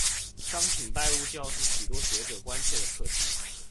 商品拜物教是许多学者关切的课题。